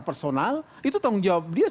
personal itu tanggung jawab dia